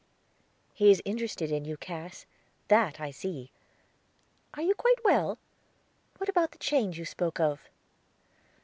"He is interested in you, Cass, that I see. Are you quite well? What about the change you spoke of?"